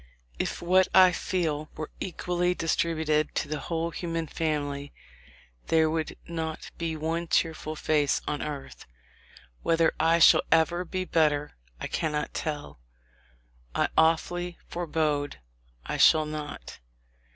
If what I feel were equally distributed to the whole human family, there would not be one cheerful face on earth. Whether I shall ever be better, I cannot tell ; I awfully forebode I shall not.